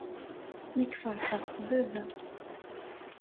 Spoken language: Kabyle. Nekk feṛḥeɣ s baba.